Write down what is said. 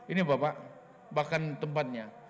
ini bapak bahkan tempatnya